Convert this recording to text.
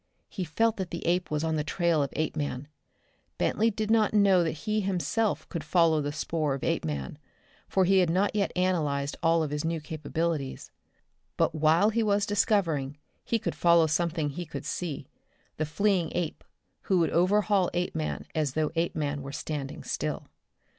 He felt that the ape was on the trail of Apeman. Bentley did not know that he himself could follow the spoor of Apeman, for he had not yet analyzed all of his new capabilities. But while he was discovering, he would follow something he could see the fleeing ape, who would overhaul Apeman as though Apeman were standing still.